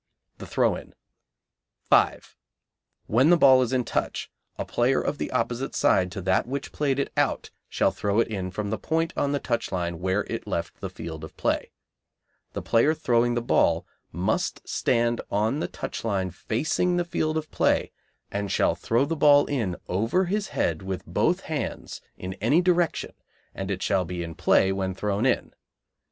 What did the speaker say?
The Throw in. 5. When the ball is in touch, a player of the opposite side to that which played it out shall throw it in from the point on the touch line where it left the field of play. The player throwing the ball must stand on the touch line facing the field of play, and shall throw the ball in over his head with both hands in any direction, and it shall be in play when thrown in.